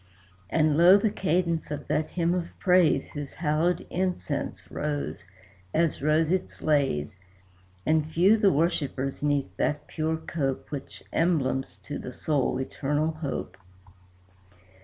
And low the cadence of that hymn of praise Whose hallowed incense rose, as rose its lays; And few the worshippers 'neath that pure cope Which emblems to the soul eternal hope.